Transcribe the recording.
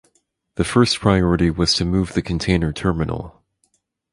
The first priority was to move the container terminal.